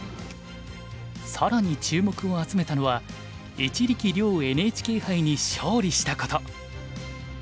更に注目を集めたのは一力遼ＮＨＫ杯に勝利したこと。